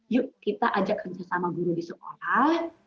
yuk kita ajakkan sesama guru di sekolah